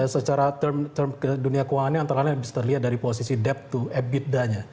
secara term dunia keuangannya antara lainnya bisa terlihat dari posisi debt to ebitda nya